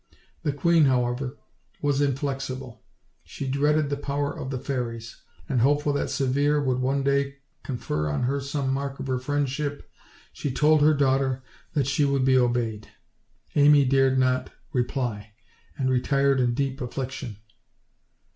The queen, however, was inflexible; she dreaded the power of the fairies; and hopeful that Severe would one day con fer on her some mark of her friendship, she told her daughter that she would be obeyed. Amy dared not re ply, and retired in deep affliction.